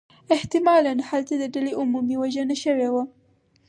احتمالاً هلته د ډلې عمومی وژنه شوې وه.